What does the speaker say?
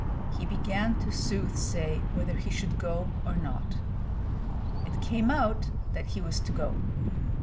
He began to soothsay whether he should go or not. It came out that he was to go.